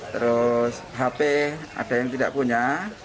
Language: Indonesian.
terus hp ada yang tidak punya